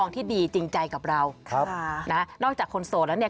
ที่ดีจริงใจกับเราครับนะนอกจากคนโสดแล้วเนี่ย